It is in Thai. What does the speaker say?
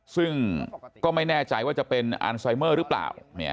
ซึ่งก็ไม่แน่ใจว่าจะเป็นอันไซเมอร์หรือเปล่า